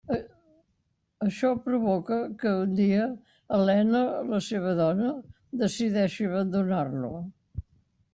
Això provoca que un dia Elena, la seva dona, decideixi abandonar-lo.